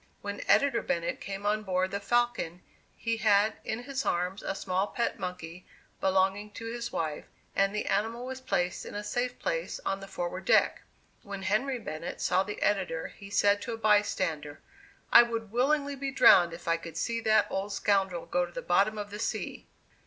When Editor Bennett came on board the "Falcon," he had in his arms a small pet monkey belonging to his wife, and the animal was placed in a safe place on the forward deck. When Henry Bennett saw the editor he said to a bystander: "I would willingly be drowned if I could see that old scoundrel go to the bottom of the sea."